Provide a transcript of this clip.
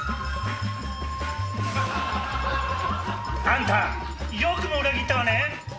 ・あんたよくも裏切ったわね！